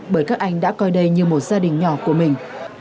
bởi các anh đã coi đây như một gia đình nhỏ của mình